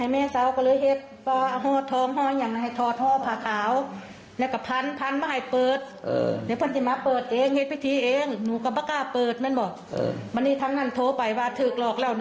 มันนี่ทั้งนั้นโทรไปบ้านถือกหลอกแล้ว